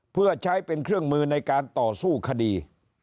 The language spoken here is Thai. เพื่อใช้เป็นเครื่องมือในการต่อสู้คดี